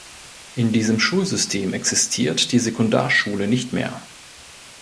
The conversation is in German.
In diesem Schulsystem existiert die Sekundarschule nicht mehr.